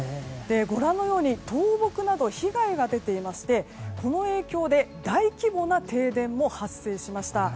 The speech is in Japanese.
ご覧のように倒木など、被害が出ていましてこの影響で大規模な停電も発生しました。